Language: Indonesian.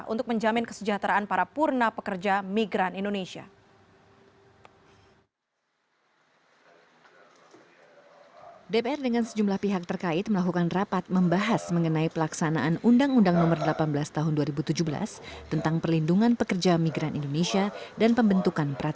untuk menjamin kesejahteraan para purna pekerja migran indonesia